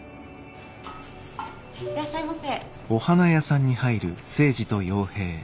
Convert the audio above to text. いらっしゃいませ。